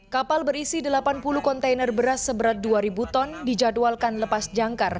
kapal berisi delapan puluh kontainer beras seberat dua ribu ton dijadwalkan lepas jangkar